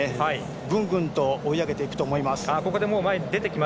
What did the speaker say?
グングンと追い上げていくと思います。